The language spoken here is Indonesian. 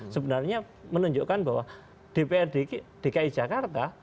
sebenarnya menunjukkan bahwa dprd dki jakarta